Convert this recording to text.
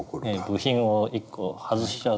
部品を１個外しちゃう。